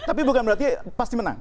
tapi bukan berarti pasti menang